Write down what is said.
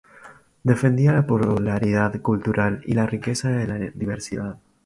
Defendía la pluralidad cultural y la riqueza de la diversidad.